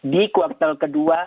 di kuartal kedua